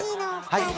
はい。